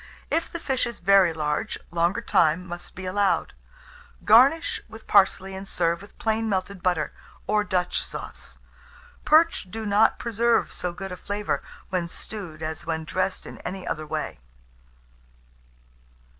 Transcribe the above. If the fish is very large, longer time must be allowed. Garnish with parsley, and serve with plain melted butter, or Dutch sauce. Perch do not preserve so good a flavour when stewed as when dressed in any other way.